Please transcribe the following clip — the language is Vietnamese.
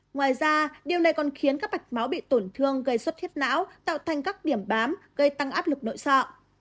ngoài ra điều này còn khiến các mạch máu bị tổn thương gây xuất thiết não tạo thành các điểm bám gây tăng áp lực nội sọ